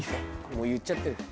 もう言っちゃってる。